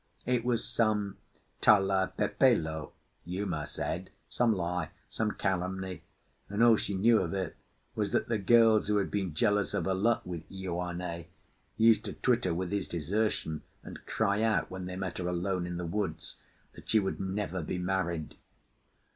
It was some tala pepelo, Uma said, some lie, some calumny; and all she knew of it was that the girls who had been jealous of her luck with Ioane used to twit her with his desertion, and cry out, when they met her alone in the woods, that she would never be married.